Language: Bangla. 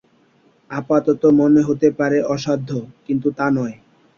আপাতত মনে হতে পারে অসাধ্য– কিন্তু তা নয়।